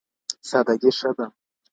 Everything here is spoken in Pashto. سادګي ښه ده.